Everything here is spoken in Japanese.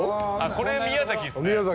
これ宮崎っすね